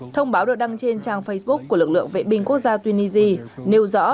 thông báo được đăng trên trang facebook của lực lượng vệ binh quốc gia tunisia nêu rõ